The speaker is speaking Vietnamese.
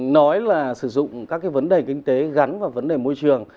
nói là sử dụng các cái vấn đề kinh tế gắn vào vấn đề môi trường